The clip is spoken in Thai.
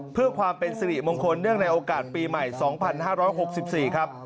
เพื่อความเป็นสิริมงคลเนื่องในโอกาสปีใหม่๒๕๖๔ครับ